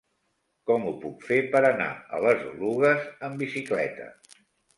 Com ho puc fer per anar a les Oluges amb bicicleta?